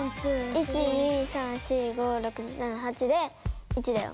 １２３４５６７８で１だよ。